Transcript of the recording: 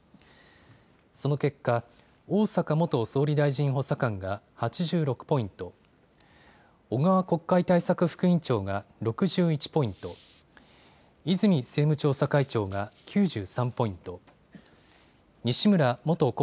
その結果、逢坂元総理大臣補佐官が８６ポイント、小川国会対策副委員長が６１ポイント、泉政務調査会長が９３ポイント、西村元厚